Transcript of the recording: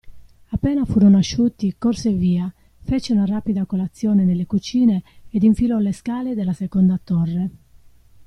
Appena furono asciutti, corse via, fece una rapida colazione nelle cucine ed infilò le scale della seconda torre.